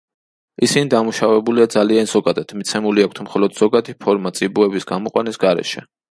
ისინი დამუშავებულია ძალიან ზოგადად, მიცემული აქვთ მხოლოდ ზოგადი ფორმა, წიბოების გამოყვანის გარეშე.